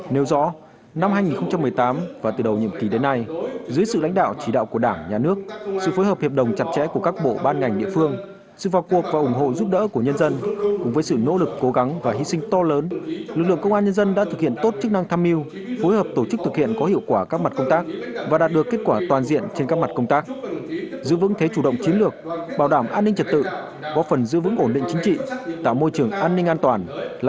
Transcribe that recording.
nếu rõ năm hai nghìn một mươi tám và từ đầu nhiệm kỳ đến nay dưới sự lãnh đạo chỉ đạo của đảng nhà nước sự phối hợp hiệp đồng chặt chẽ của các bộ ban ngành địa phương sự vào cuộc và ủng hộ giúp đỡ của nhân dân cùng với sự nỗ lực cố gắng và hy sinh to lớn lực lượng công an nhân dân đã thực hiện tốt chức năng tham mưu phối hợp tổ chức thực hiện có hiệu quả các mặt công tác và đạt được kết quả toàn diện trên các mặt công tác giữ vững thế chủ động chiến lược bảo đảm an ninh trật tự bỏ phần giữ vững ổn định chính trị tạo môi trường an